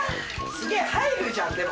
すげえ入るんじゃんでも。